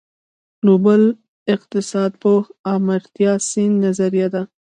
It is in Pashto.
نوبل اقتصادپوه آمارتیا سېن نظريه ده.